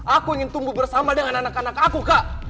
aku ingin tumbuh bersama dengan anak anak aku kak